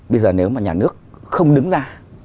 bây giờ nếu mà nhà nước không đứng ra